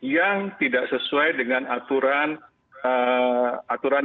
yang tidak sesuai dengan aturan aturan